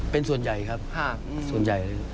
เป็นส่วนใหญ่ครับภาคส่วนใหญ่